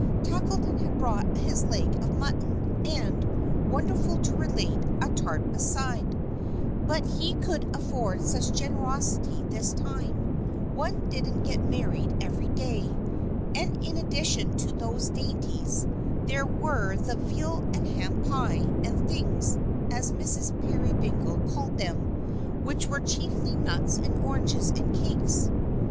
Tackleton had brought his leg of mutton, and, wonderful to relate, a tart beside but he could afford such generosity this time; one doesn't get married every day. And in addition to these dainties, there were the veal and ham pie and "things," as Mrs. Peerybingle called them; which were chiefly nuts and oranges and cakes.